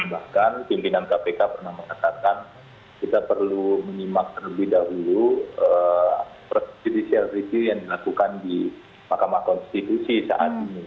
bahkan pimpinan kpk pernah mengatakan kita perlu menyimak terlebih dahulu judicial review yang dilakukan di mahkamah konstitusi saat ini